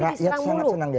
rakyat sangat senang dia